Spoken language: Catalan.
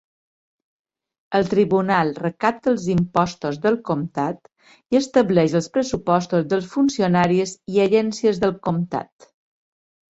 El tribunal recapta els impostos del comtat i estableix els pressupostos dels funcionaris i agències del comtat.